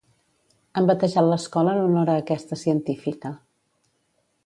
Han batejat l'escola en honor a aquesta científica.